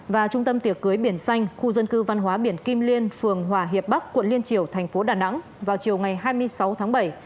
và trung tâm tiệc cưới biển xanh khu dân cư văn hóa biển kim liên phường hòa hiệp bắc quận liên triều thành phố đà nẵng vào chiều ngày hai mươi sáu tháng bảy